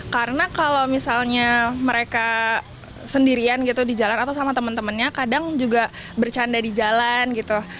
karena kalau misalnya mereka sendirian gitu di jalan atau sama teman temannya kadang juga bercanda di jalan gitu